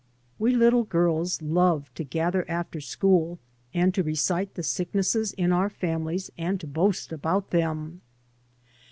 We little girls loved to gather after school and to redte the sicknesses in our families and to hoast about them.